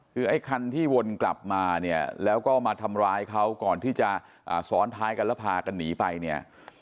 คือไอ้คันที่วนกลับมาเนี่ยแล้วก็มาทำร้ายเขาก่อนที่จะซ้อนท้ายกันแล้วพากันหนีไปเนี่ย